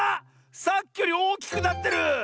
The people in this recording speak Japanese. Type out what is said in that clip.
さっきよりおおきくなってる！